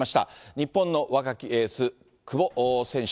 日本の若きエース、久保選手。